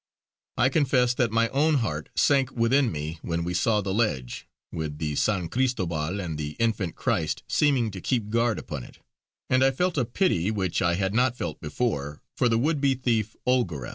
I confess that my own heart sank within me when we saw the ledge, with the San Cristobal and the infant Christ seeming to keep guard upon it; and I felt a pity, which I had not felt before, for the would be thief, Olgaref.